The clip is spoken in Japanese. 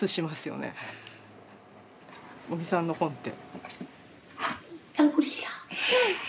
五味さんの本って。